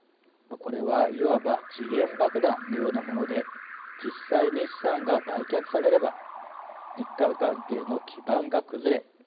これは、いわば時限爆弾のようなもので実際に資産が売却されれば日韓関係の基盤が崩れ